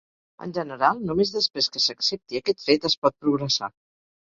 En general, només després que s'accepti aquest fet es pot progressar.